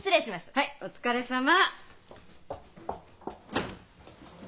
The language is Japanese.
はいお疲れさま！